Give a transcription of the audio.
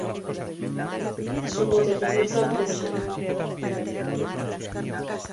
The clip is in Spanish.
Su modernidad se aprecia en la arquitectura del sector norte de la ciudad.